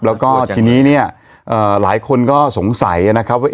แล้วก็ทีนี้เนี่ยหลายคนก็สงสัยนะครับว่า